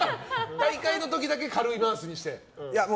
大会の時だけ軽いマウスにして。